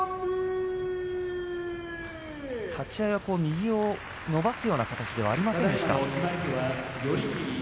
立ち合いは右を伸ばすような形ではありませんでした。